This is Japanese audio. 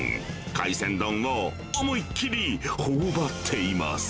海鮮丼を思いっきりほおばっています。